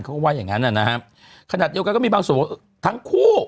เขาก็ว่าอย่างงั้นอะนะฮะขณะเดี๋ยวกันก็มีบางสมมุติทั้งคู่